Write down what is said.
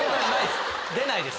出ないです